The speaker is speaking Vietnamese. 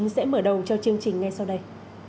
sẽ mở đầu cho chương trình ngay sau đây